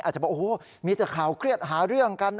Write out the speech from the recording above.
อาจจะบอกโอ้โหมีแต่ข่าวเครียดหาเรื่องกัน